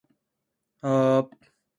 富山県上市町